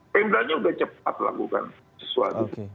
pemdanya sudah cepat lakukan sesuatu